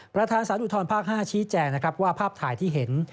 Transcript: ประธานสาธารณ์อุทธรภาค๕ชี้แจงว่าภาพถ่ายที่เห็น